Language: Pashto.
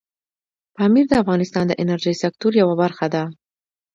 پامیر د افغانستان د انرژۍ سکتور یوه برخه ده.